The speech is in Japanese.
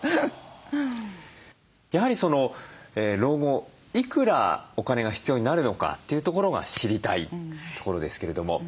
やはり老後いくらお金が必要になるのかというところが知りたいところですけれども目安をですね